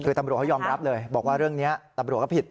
คือตำรวจเขายอมรับเลยบอกว่าเรื่องนี้ตำรวจก็ผิด